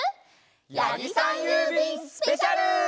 やぎさんゆうびんスペシャル！